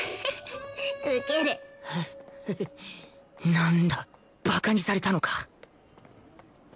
なんだバカにされたのか！